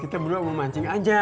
kita berdua mau mancing aja